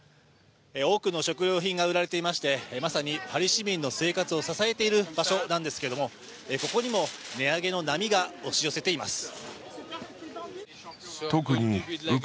多くの食料品が売られていましてまさにパリ市民の生活を支えている場所なんですけれどもここにも値上げの波が押し寄せています。